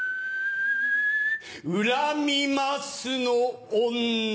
うらみますの女。